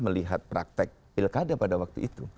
melihat praktek pilkada pada waktu itu